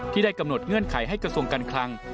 ได้กำหนดเงื่อนไขให้กระทรวงการคลัง